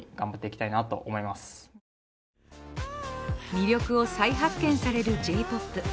魅力を再発見されるＪ‐ＰＯＰ。